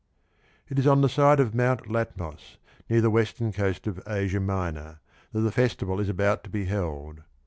It is on the side of Mount Latmos, near the western xbo festival of coast of Asia Minor, that the festival is about to be held.